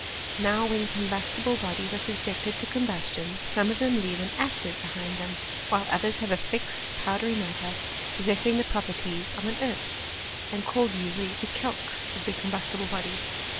Now when combustible bodies are subjected to combustion, some of them leave an acid behind them ; while others leave a fixed powdery matter, possessing the properties of an earth, and called usually the calx of the combustible body.